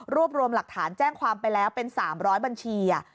รวมรวมหลักฐานแจ้งความไปแล้วเป็น๓๐๐บัญชี